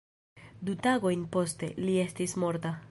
Du tagojn poste, li estis morta.